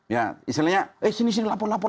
ya istilahnya eh sini sini lapor lapor